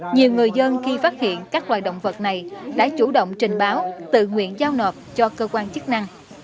nhiều người dân khi phát hiện các loài động vật này đã chủ động trình báo tự nguyện giao nộp cho cơ quan chức năng